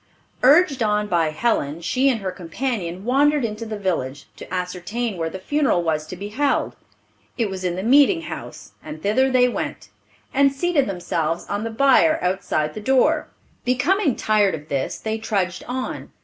Urged on by Helen, she and her companion wandered into the village, to ascertain where the funeral was to be held. It was in the meeting house, and thither they went, and seated themselves on the bier outside the door. Becoming tired of this, they trudged on.